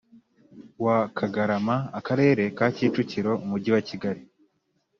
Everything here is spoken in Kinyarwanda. Wa kagarama akarere ka kicukiro umujyi wa kigali